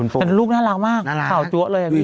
แต่ลูกน่ารักมากข่าวจั๊วเลยอะพี่